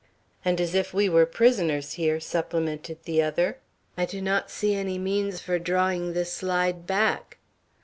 "And as if we were prisoners here," supplemented the other. "I do not see any means for drawing this slide back."